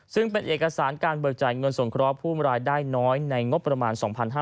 ซึ่งเป็นเอกสารการเบิกจ่ายเงินสงเคราะห์ผู้มรายได้น้อยในงบประมาณ๒๕๕๙